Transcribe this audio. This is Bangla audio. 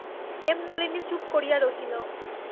হেমনলিনী চুপ করিয়া রহিল।